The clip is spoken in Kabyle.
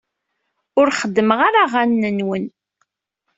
Ur xeddmeɣ ara aɣanen-nwen.